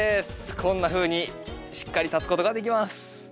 こんなふうにしっかり立つことができます。